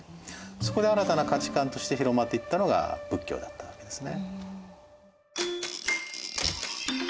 そこで新たな価値観として広まっていったのが仏教だったわけですね。